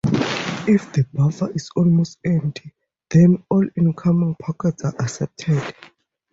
If the buffer is almost empty, then all incoming packets are accepted.